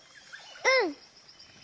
うん！